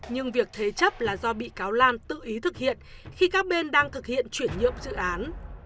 nhưng việc thế chấp là do bị cáo lan tự ý thực hiện khi các bên đang thực hiện chuyển nhượng dự án